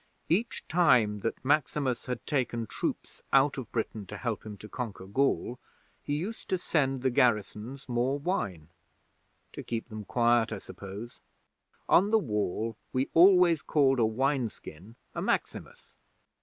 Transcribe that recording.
Each time that Maximus had taken troops out of Britain to help him to conquer Gaul, he used to send the garrisons more wine to keep them quiet, I suppose. On the Wall, we always called a wine skin a "Maximus".